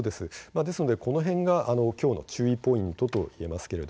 ですのでこの点がきょうの注目ポイントです。